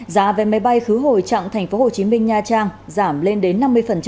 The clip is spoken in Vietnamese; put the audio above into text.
giá vé máy bay khứ hồi trạng tp hcm nha trang giảm lên đến năm mươi